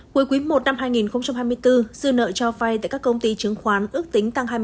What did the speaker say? cuối quý i năm hai nghìn hai mươi bốn dư nợ cho phai tại các công ty chứng khoán ước tính tăng hai mươi sáu tỷ